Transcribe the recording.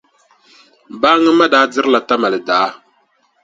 Baaŋa ma daa dirila Tamali daa.